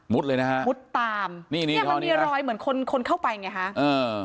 เลยนะฮะมุดตามนี่เนี้ยมันมีรอยเหมือนคนคนเข้าไปไงฮะอ่า